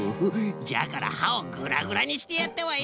じゃからはをグラグラにしてやったわい。